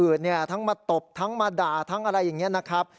อื่นเนี่ยทั้งมาตบทั้งมาด่าทั้งอะไรอย่างเงี้ยนะครับ